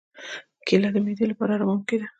کېله د معدې لپاره آراموونکې ده.